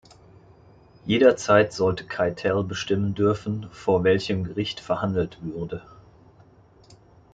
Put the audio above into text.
Jederzeit sollte Keitel bestimmen dürfen, vor welchem Gericht verhandelt würde.